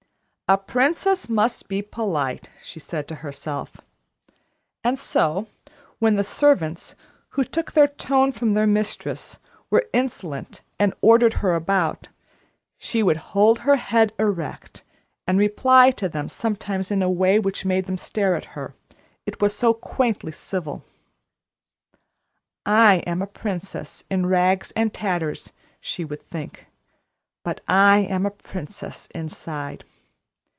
"A princess must be polite," she said to herself. And so when the servants, who took their tone from their mistress, were insolent and ordered her about, she would hold her head erect, and reply to them sometimes in a way which made them stare at her, it was so quaintly civil. "I am a princess in rags and tatters," she would think, "but I am a princess, inside.